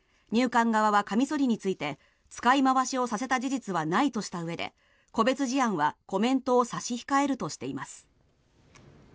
入管側はカミソリについて使い回しをさせた事実はないとしたうえで個別事案は、コメントを差し控えるとしています。